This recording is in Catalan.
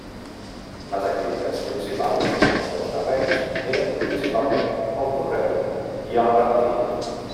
Les activitats principals dels dos terrenys eren principalment al conreu i a la ramaderia.